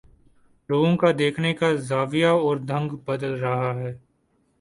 لوگوں کا دیکھنے کا زاویہ اور ڈھنگ بدل رہا ہے